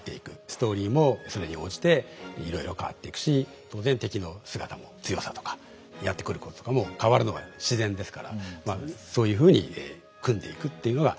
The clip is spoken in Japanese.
ストーリーもそれに応じていろいろ変わっていくし敵の姿も強さとかやってくることとかも変わるのが自然ですからまあそういうふうに組んでいくっていうのが